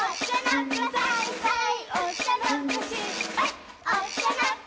はい！